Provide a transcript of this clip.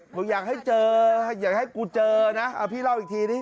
บอกอยากให้เจออยากให้กูเจอนะพี่เล่าอีกทีดิ